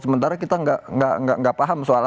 sementara kita enggak paham soal aturan yang ada